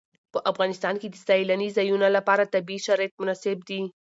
په افغانستان کې د سیلانی ځایونه لپاره طبیعي شرایط مناسب دي.